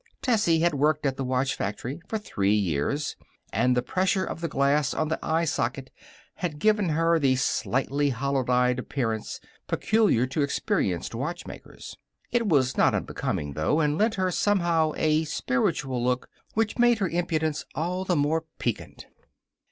Tessie had worked at the watch factory for three years, and the pressure of the glass on the eye socket had given her the slightly hollow eyed appearance peculiar to experienced watchmakers. It was not unbecoming, though, and lent her, somehow, a spiritual look which made her impudence all the more piquant.